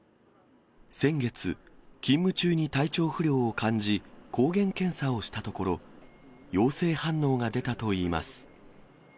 先月、勤務中に体調不良を感じ、抗原検査をしたところ、陽性反応が出たといいます。